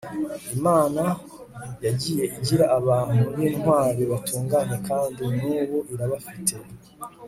Imana yagiye igira abantu bintwari batunganye kandi nubu irabafite